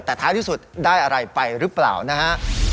แต่ท้ายที่สุดได้อะไรไปหรือเปล่านะฮะ